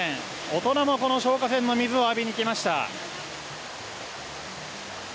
大人もこの消火栓の水を浴びに来ました。